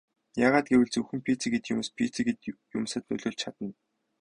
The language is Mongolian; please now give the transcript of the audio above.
Яагаад гэвэл зөвхөн физик эд юмс физик эд юмсад нөлөөлж чадна.